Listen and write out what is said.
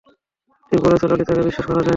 ঠিক বলেছ, ললিতাকে বিশ্বাস করা যায় না।